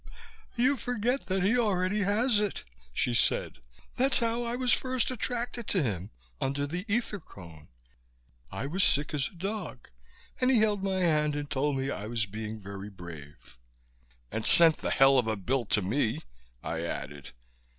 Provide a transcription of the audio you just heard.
"You forget that he already has it," she said. "That's how I was first attracted to him, under the ether cone. I was sick as a dog and he held my hand and told me I was being very brave." "And sent the hell of a bill to me," I added.